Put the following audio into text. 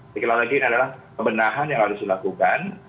sekali lagi ini adalah kebenahan yang harus dilakukan